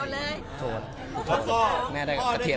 แล้วก็แม่ได้กระเทียม